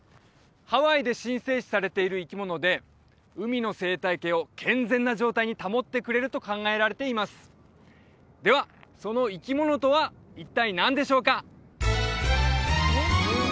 ハワイで神聖視されている生き物で海の生態系を健全な状態に保ってくれると考えられていますではその生き物とは一体何でしょうか？